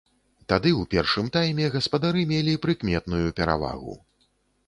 Тады ў першым тайме гаспадары мелі прыкметную перавагу.